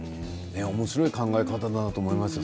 おもしろい考え方だと思いました。